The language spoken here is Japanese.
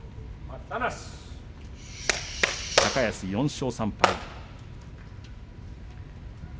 高安４勝３敗。